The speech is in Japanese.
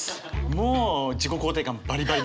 もう自己肯定感バリバリで。